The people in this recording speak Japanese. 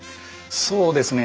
そうですね